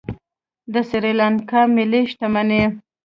د سریلانکا ملي شتمني